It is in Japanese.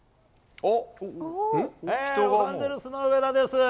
ロサンゼルスの上田です。